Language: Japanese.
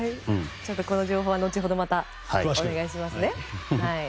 この情報は後ほどまたお願いしますね。